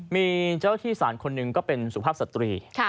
มีเจ้าที่สารคนหนึ่งก็เป็นสุภาพสตรี